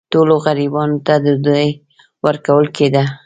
ټولو غریبانو ته ډوډۍ ورکول کېدله.